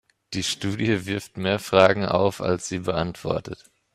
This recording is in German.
Die Studie wirft mehr Fragen auf, als sie beantwortet.